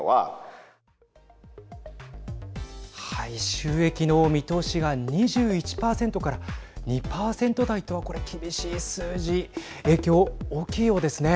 収益の見通しが２１％から２％台とはこれ厳しい数字影響大きいようですね。